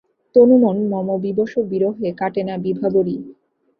তনুমন মম বিবশ বিরহে কাটেনা বিভাবরী।